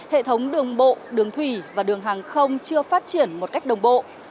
hệ thống đường bộ đường thủy và đường hàng không chưa phát triển một cách đồng bộ